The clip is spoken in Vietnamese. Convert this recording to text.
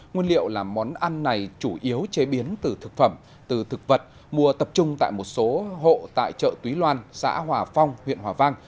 nguyên liệu là món ăn này chủ yếu chế biến từ thực phẩm từ thực vật mua tập trung tại một số hộ tại chợ túy loan xã hòa phong huyện hòa vang